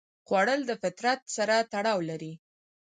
خوړل د فطرت سره تړاو لري